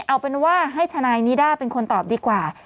เอาเป็นว่าให้ทนายนิด้าเป็นคนตอบดีกว่า